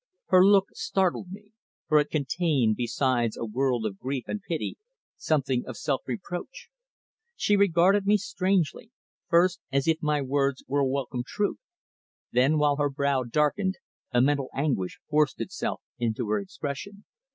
Her look startled me, for it contained besides a world of grief and pity, something of self reproach. She regarded me strangely, first as if my words were a welcome truth, then, while her brow darkened, a mental anguish forced itself into her expression.